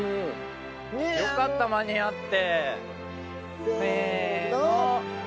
よかった間に合って。